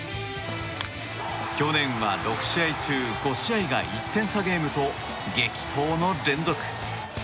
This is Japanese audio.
去年は６試合中５試合が１点差ゲームと激闘の連続。